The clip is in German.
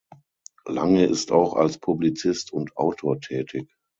Lange ist auch als Publizist und Autor tätig.